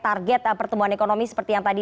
target pertumbuhan ekonomi seperti yang tadi